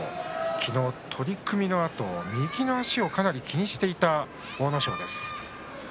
昨日、取組のあと、右足をかなり気にしていた阿武咲です。